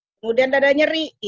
kemudian dada nyeri